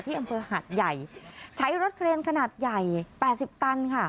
อำเภอหัดใหญ่ใช้รถเครนขนาดใหญ่๘๐ตันค่ะ